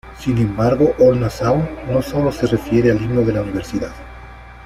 Sin embargo, Old Nassau no sólo se refiere al himno de la Universidad.